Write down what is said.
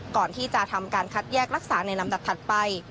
ก่อนที่จะทำการคัดแยกรักษาในลำดับถัดไป